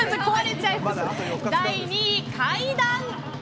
第２位、階段。